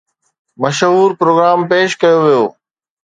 مشهور پروگرام پيش ڪيو ويو